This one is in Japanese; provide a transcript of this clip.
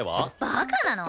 バカなの？